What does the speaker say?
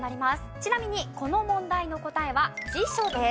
ちなみにこの問題の答えは辞書です。